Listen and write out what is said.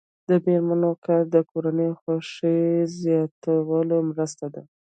د میرمنو کار د کورنۍ خوښۍ زیاتولو مرسته ده.